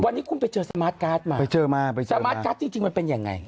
วันนี้คุณไปเจอนายศสมาร์ทการ์ดประเภทว่าเป็นยังไง